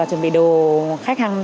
chuẩn bị đồ khách hàng